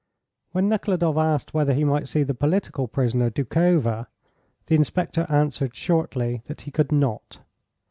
When Nekhludoff asked whether he might see the political prisoner, Doukhova, the inspector answered, shortly, that he could not.